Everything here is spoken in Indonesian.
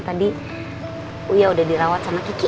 tadi udah dirawat sama kiki